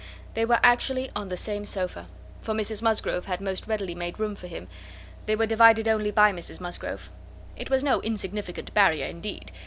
They were actually on the same sofa, for Mrs Musgrove had most readily made room for him; they were divided only by Mrs Musgrove. It was no insignificant barrier, indeed.